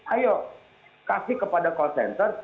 ayo kasih kepada call center